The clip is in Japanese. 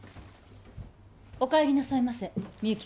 お帰りなさいませみゆき